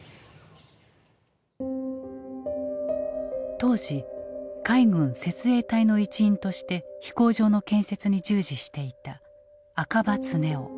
当時海軍設営隊の一員として飛行場の建設に従事していた赤羽恒男。